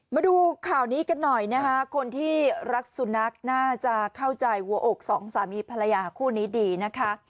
มาดูข่าวนี้กันหน่อยนะคะคนที่รักสุนัขน่าจะเข้าใจหัวอกสองสามีภรรยาคู่นี้ดีนะคะ